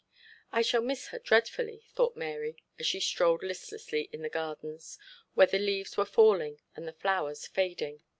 'I shall miss her dreadfully,' thought Mary, as she strolled listlessly in the gardens, where the leaves where falling and the flowers fading.